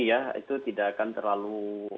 ya itu tidak akan terlalu